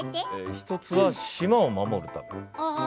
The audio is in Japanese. １つは、島守るため。